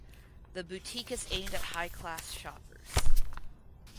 The boutique is aimed at high class shoppers.